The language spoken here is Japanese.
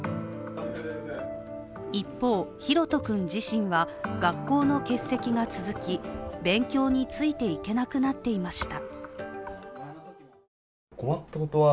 一方、ひろと君自身は学校の欠席が続き勉強について行けなくなっていました。